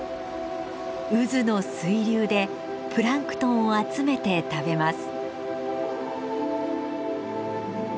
渦の水流でプランクトンを集めて食べます。